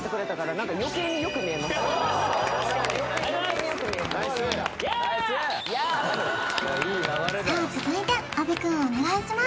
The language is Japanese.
・ナイスさあ続いて阿部くんお願いします